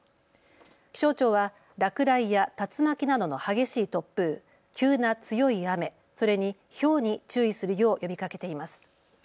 気象庁は落雷や竜巻などの激しい突風、急な強い雨、それにひょうに注意するよう呼びかけています。